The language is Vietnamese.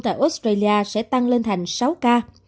tại australia sẽ tăng lên thành sáu ca